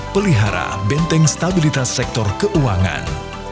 pelihara benteng stabilitas sektor keuangan